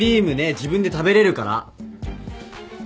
自分で食べれるから。